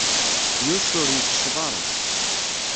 Yuc ur yettecceḍ ara.